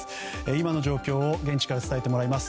今の状況を現地から伝えてもらいます。